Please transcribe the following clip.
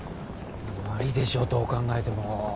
無理でしょうどう考えても。